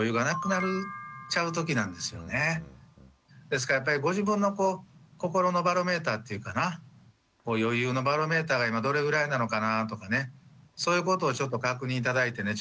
ですからやっぱりご自分の心のバロメーターっていうかな余裕のバロメーターが今どれぐらいなのかなとかねそういうことをちょっと確認頂いてね